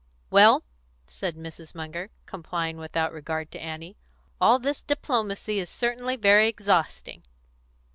"Well," said Mrs. Munger, complying without regard to Annie, "all this diplomacy is certainly very exhausting."